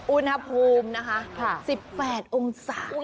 อุณหภูมินะคะ๑๘องศา